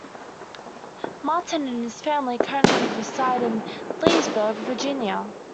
Martin and his family currently reside in Leesburg, Virginia.